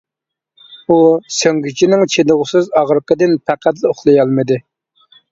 ئۇ سۆڭگىچىنىڭ چىدىغۇسىز ئاغرىقىدىن پەقەتلا ئۇخلىيالمىدى.